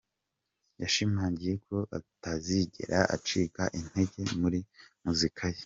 yashimangiye ko atazigera acika intege muri muzika ye.